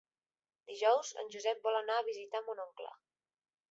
Dijous en Josep vol anar a visitar mon oncle.